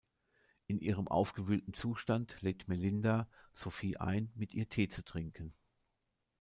In ihrem aufgewühlten Zustand lädt Melinda Sophie ein, mit ihr Tee zu trinken.